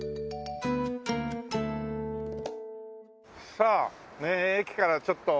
さあ駅からちょっと。